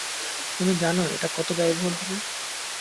তুমি জানো এটা কত ব্যয়বহুল হবে?